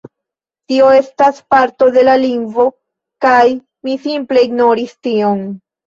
Tio estas parto de la lingvo" kaj mi simple ignoris tion.